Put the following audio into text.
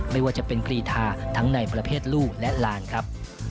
ไม่ว่าจะเป็นกรีธาทั้งในประเภทลูกและหลานครับ